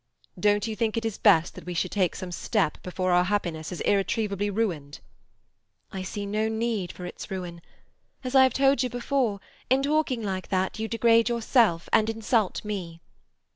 "Don't you think it best that we should take some step before our happiness is irretrievably ruined?" "I see no need for its ruin. As I have told you before, in talking like that you degrade yourself and insult me."